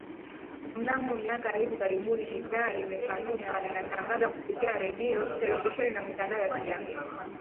Mnamo miaka ya hivi karibuni idhaa imepanuka na inatangaza kupitia redio, televisheni na mitandao ya kijamii